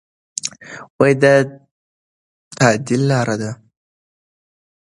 دا د تعادل لاره ده.